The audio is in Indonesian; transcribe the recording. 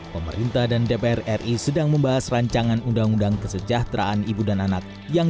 pemerintah dan dpr ri sedang membahas rancangan undang undang kesejahteraan ibu dan anak yang